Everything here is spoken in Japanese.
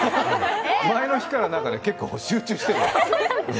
前の日から結構、集中してるから。